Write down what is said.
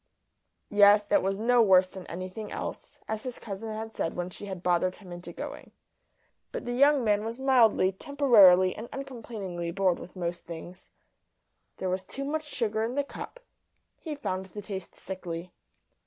Yes, it was no worse than anything else, as his cousin had said when she had bothered him into going. But the young man was mildly, temporarily, and uncomplainingly bored with most things. There was too much sugar in the cup; he found the taste sickly.